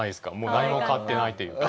何も変わってないというか。